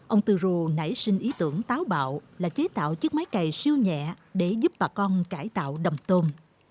ông tư rô nảy sinh ý tưởng táo bạo là chế tạo chiếc máy cày siêu nhẹ để giúp bà con cải tạo đầm tôm